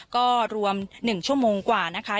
ก็รวม๑ชั่วโมงกว่านะคะ